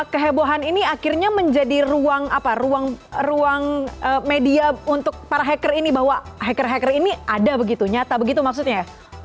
kehebohan ini akhirnya menjadi ruang media untuk para hacker ini bahwa hacker hacker ini ada begitu nyata begitu maksudnya ya